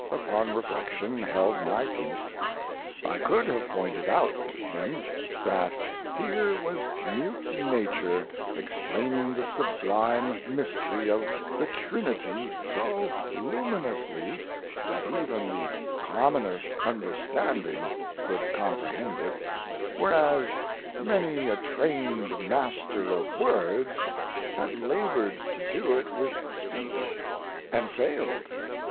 upon reflection, held my peace. I could have pointed out to him that here was mute Nature explaining the sublime mystery of the Trinity so luminously that even the commonest understanding could comprehend it, whereas many a trained master of words had labored to do it with speech and failed.